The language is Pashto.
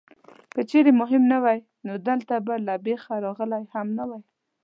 که چېرې مهم نه وای نو دلته به له بېخه راغلی هم نه وې.